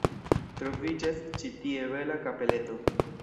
Troviĝas ĉi tie bela kapeleto.